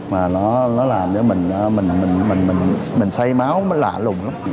mà nó làm cho mình say máu mới lạ lùng lắm